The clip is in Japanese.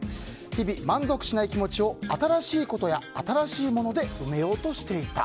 日々満足しない気持ちを新しいことや新しいもので埋めようとしていた。